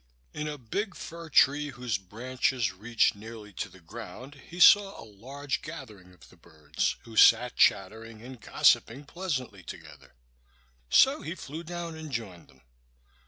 In a big fir tree, whose branches reached nearly to the ground, he saw a large gathering of the birds, who sat chattering and gossiping pleasantly together. So he flew down and joined them.